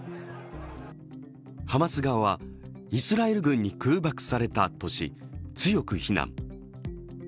ハマス側は、イスラエル軍に空爆されたとし強く非難。